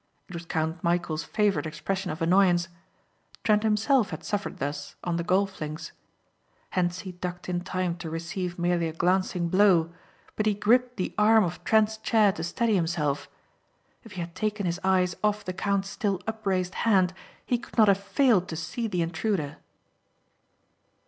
It was Count Michæl's favorite expression of annoyance. Trent himself had suffered thus on the golf links. Hentzi ducked in time to receive merely a glancing blow but he gripped the arm of Trent's chair to steady himself. If he had taken his eyes off the count's still upraised hand he could not have failed to see the intruder.